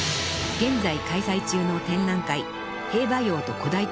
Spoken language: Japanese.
［現在開催中の展覧会］